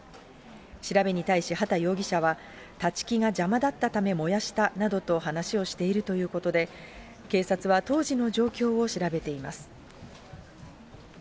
調べに対し、畑容疑者は、立ち木が邪魔だったため燃やしたなどと話をしているということで、警察は、当時の状況を調べています。